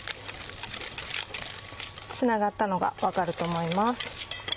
つながったのが分かると思います。